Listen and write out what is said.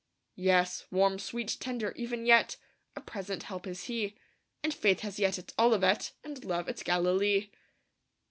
Yes, warm, sweet, tender, even yet A present help is He; And faith has yet its Olivet, And love its Galilee.